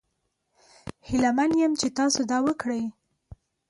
هیله من یم چې تاسو دا وکړي.